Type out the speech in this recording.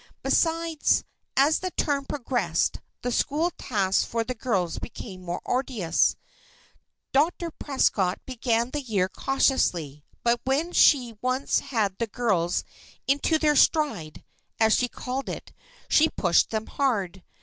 Besides, as the term progressed, the school tasks for the girls became more arduous. Dr. Prescott began the year cautiously; but when she once had her girls "into their stride," as she called it, she pushed them hard.